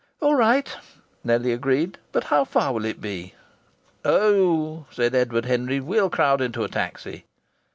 "All right," Nellie agreed. "But how far will it be?" "Oh!" said Edward Henry, "we'll crowd into a taxi."